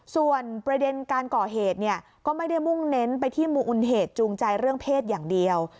ส่วนประเด็นการก่อเหตุเนี่ยก็ไม่ได้มุ่งเน้นไปที่มูลเหตุจูงใจเรื่องเพศอย่างเดียว